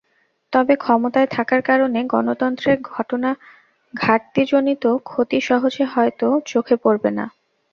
তবে ক্ষমতায় থাকার কারণে গণতন্ত্রের ঘাটতিজনিত ক্ষতি সহজে হয়তো চোখে পড়বে না।